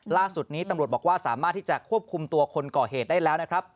ล่าสุดนี้ตำรวจบอกว่าสามารถที่จะควบคุมตัวคนก่อเหตุได้แล้วนะครับ